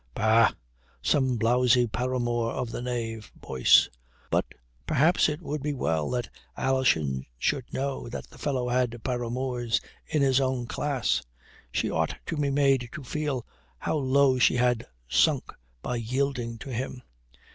Pah, some blowsy paramour of the knave Boyce. But, perhaps it would be well that Alison should know the fellow had paramours in his own class. She ought to be made to feel how low she had sunk by yielding to him.